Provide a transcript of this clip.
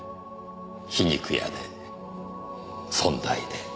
皮肉屋で尊大で。